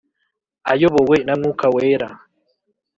Ayobowe na Mwuka Wera